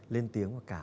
lên tiếng và cả